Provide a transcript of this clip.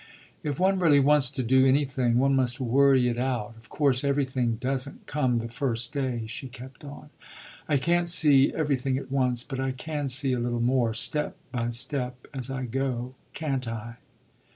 "If one really wants to do anything one must worry it out; of course everything doesn't come the first day," she kept on. "I can't see everything at once; but I can see a little more step by step as I go; can't I?"